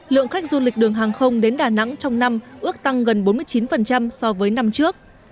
lượng khách du lịch đường hàng không đến đà nẵng trong năm ước tăng gần bốn mươi chín so với năm trước